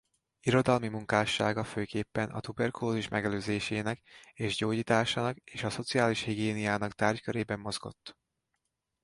Irodalmi munkássága főképpen a tuberkulózis megelőzésének és gyógyításának és a szociális higiéniának tárgykörében mozgott.